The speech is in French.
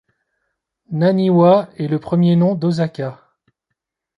Naniwa est le premier nom d'Osaka.